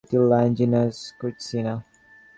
Ruteline genus "Chrysina".